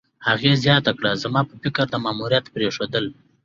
هغې زیاته کړه: "زما په فکر، د ماموریت پرېښودل